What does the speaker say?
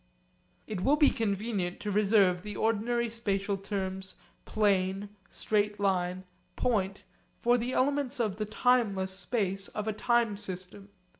It will be convenient to reserve the ordinary spatial terms 'plane,' 'straight line,' 'point' for the elements of the timeless space of a time system.